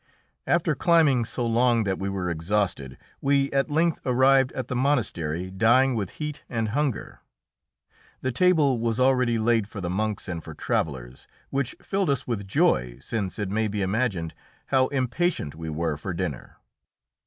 After climbing so long that we were exhausted, we at length arrived at the monastery dying with heat and hunger. The table was already laid for the monks and for travellers, which filled us with joy, since it may be imagined how impatient we were for dinner.